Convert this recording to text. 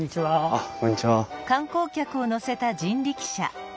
あっこんにちは。